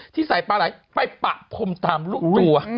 ที่ใส่ปลาไหลไปปะพรมตามลูกตัว